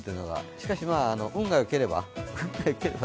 しかし、運が良ければ。